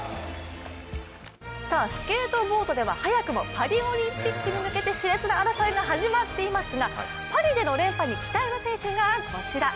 スケートボードでは早くもパリオリンピックに向けてしれつな争いが始まっていますがパリでの連覇に期待の選手がこちら。